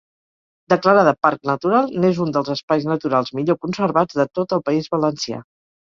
Declarada parc natural, n'és un dels espais naturals millor conservats de tot el País Valencià.